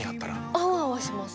アワアワします